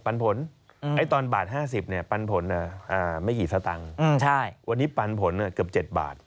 ปันผลตอนบาท๕๐บาทปันผลไม่กี่ซะตังค์วันนี้ปันผลเกือบ๗บาท